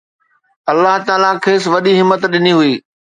الله تعاليٰ کيس وڏي همت ڏني هئي